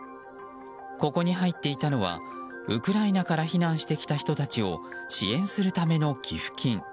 ここに入っていたのはウクライナから避難してきた人たちを支援するための寄付金。